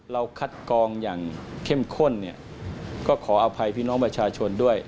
คัดกองอย่างเข้มข้นเนี่ยก็ขออภัยพี่น้องประชาชนด้วย